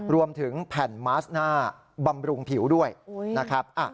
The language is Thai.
รวมถึงแผ่นมาสหน้าบำรุงผิวด้วยนะครับ